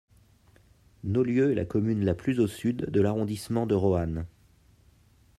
Nollieux est la commune la plus au sud de l'arrondissement de Roanne.